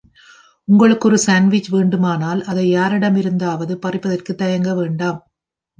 உங்களுக்கு ஒரு சாண்ட்விச் வேண்டுமானால், அதை யாரிடமிருந்தவது பறிப்பதற்கு தயங்க வேண்டாம்.